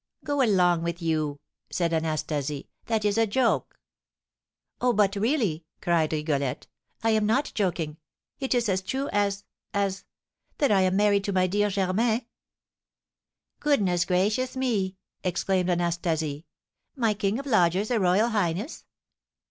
"Go along with you!" said Anastasie. "That is a joke!" "Oh, but really," cried Rigolette, "I am not joking; it is as true as as that I am married to my dear Germain." "Goodness gracious me!" exclaimed Anastasie. "My king of lodgers a royal highness!